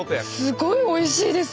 すごいおいしいです。